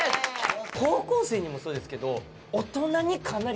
高校生にもそうですけど。